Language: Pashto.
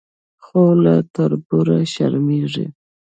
خو له تربور شرمېږي.